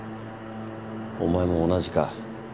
お前も同じか。